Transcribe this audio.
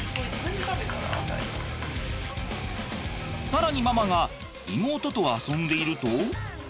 更にママが妹と遊んでいると。